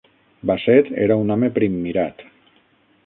Basset era un home primmirat.